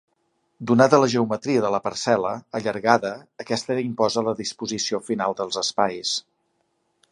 Donada la geometria de la parcel·la, allargada, aquesta imposa la disposició final dels espais.